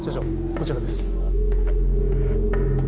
こちらです